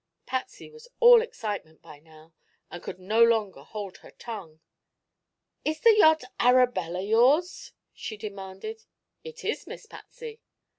Patsy was all excitement by now and could no longer hold her tongue. "Is the yacht Arabella yours?" she demanded. "It is, Miss Patsy."